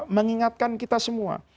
mengingatkan kita semua